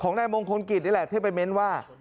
ของนายมงคลกริตนี่แหละเธอไปเม้นต์ว่า